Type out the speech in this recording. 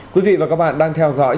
quý vị và các bạn đang theo dõi